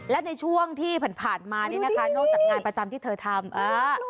และในช่วงที่ผ่านมานี่นะคะนอกจากงานประจำที่เธอทำเออ